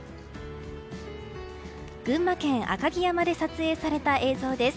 群馬県赤城山で撮影された映像です。